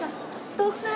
徳さん。